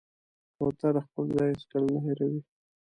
کوتره خپل ځای هېڅکله نه هېروي.